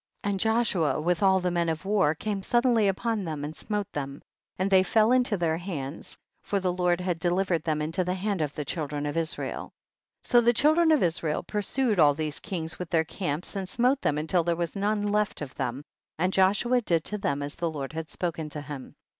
43. And Joshua with all the men of war came suddenly upon them and smote them, and they fell into their hands, for the Lord had delivered them mto the hand of the children of Israel. 44. So the children of Israel pur sued all these kings with their camps, and smote them until there was none left of them, and Joshua did to them as the Lord had spoken to him.